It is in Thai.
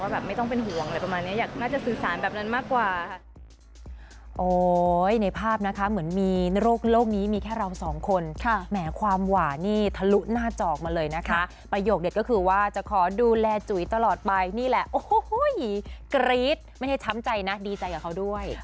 แบบไม่ต้องเป็นห่วงอะไรประมาณนี้น่าจะสื่อสารแบบนั้นมากกว่าค่ะ